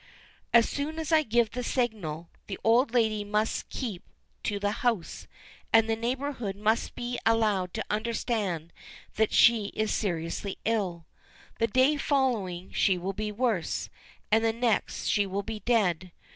"As soon as I give the signal, the old lady must keep to the house, and the neighborhood must be allowed to understand that she is seriously ill. The day following she will be worse, and the next she will be dead.